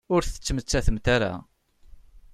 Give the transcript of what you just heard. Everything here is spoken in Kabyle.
Ur tettmettatemt ara.